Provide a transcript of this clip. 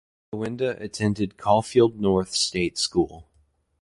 Gawenda attended Caulfield North state school.